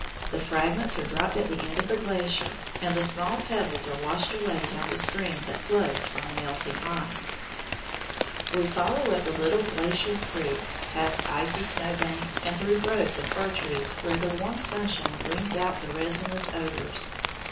The fragments are dropped at the end of the glacier, and the smaller pebbles are washed away down the stream that flows from the melting ice. [Illustration: FIG. 17. GLACIER ON THE THREE SISTERS] We follow up the little glacial creek, past icy snow banks and through groves of fir trees where the warm sunshine brings out the resinous odors.